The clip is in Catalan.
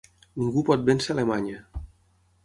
Ningú pot vèncer Alemanya.